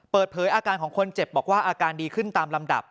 เปิดเผยอาการของคนเจ็บบอกว่าอาการดีขึ้นตามลำดับ